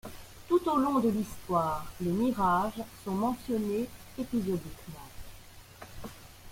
Tout au long de l'histoire les mirages sont mentionnés épisodiquement.